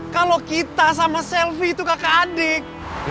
kalau kita sama selfie itu kakak adik